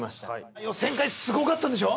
予選会すごかったんでしょ？